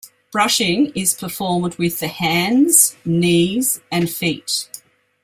Brushing is performed with the hands, knees, and feet.